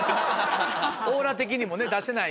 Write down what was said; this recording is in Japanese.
オーラ的にもね出してない。